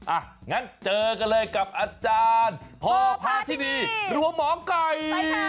อ่ะงั้นเจอกันเลยกับอาจารย์พอพาธินีหรือว่าหมอไก่